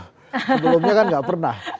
sebelumnya kan enggak pernah